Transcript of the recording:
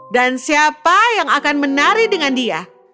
dan siapa yang akan menari dengan dia